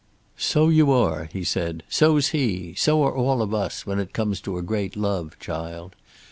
"So you are," he said. "So's he. So are all of us, when it comes to a great love, child.